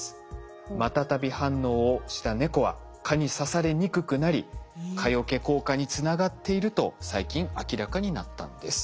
マタタビ反応をした猫は蚊に刺されにくくなり蚊よけ効果につながっていると最近明らかになったんです。